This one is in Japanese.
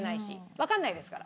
わかんないですから。